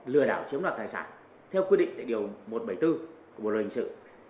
lừa đảo chiếm đoạt tài sản theo quy định tại điều một trăm bảy mươi bốn của bộ luật hình sự